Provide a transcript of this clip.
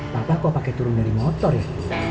papa kok pake turun dari motor ya